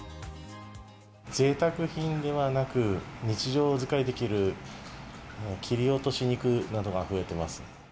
ぜいたく品ではなく、日常使いできる切り落とし肉などが増えてます。